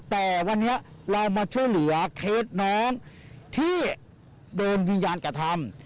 แต่วันนี้เรามาช่วยเหลือเคสน้องที่โดนวิญญาณกระทำ